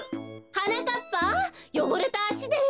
はなかっぱよごれたあしで。